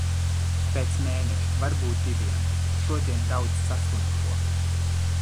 Pēc mēneša, varbūt diviem. Šodien daudz saslimušo.